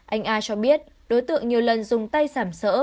anh a cho biết đối tượng nhiều lần dùng tay sảm sỡ